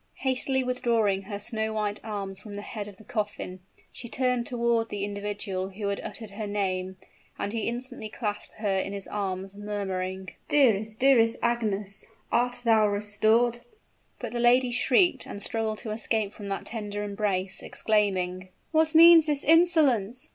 Hastily withdrawing her snow white arms from the head of the coffin, she turned toward the individual who had uttered her name, and he instantly clasped her in his arms, murmuring, "Dearest dearest Agnes, art thou restored " But the lady shrieked, and struggled to escape from that tender embrace, exclaiming, "What means this insolence?